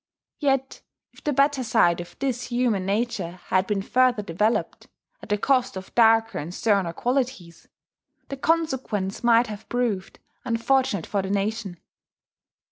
Yet if the better side of this human nature had been further developed at the cost of darker and sterner qualities, the consequence might have proved unfortunate for the nation.